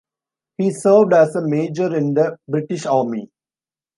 He served as a Major in the British Army.